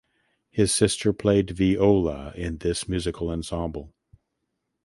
Her sister played viola in this musical ensemble.